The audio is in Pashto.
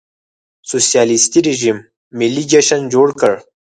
سوسیالېستي رژیم ملي جشن جوړ کړ.